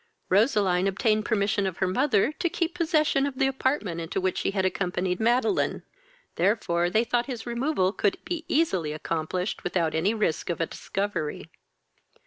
Roseline obtained permission of her mother to keep possession of the apartment into which she had accompanied Madeline; therefore they thought his removal could be easily accomplished without any risk of a discovery.